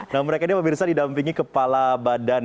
nah mereka ini pemirsa didampingi kepala badan